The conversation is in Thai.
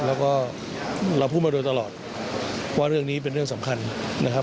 แล้วก็เราพูดมาโดยตลอดว่าเรื่องนี้เป็นเรื่องสำคัญนะครับ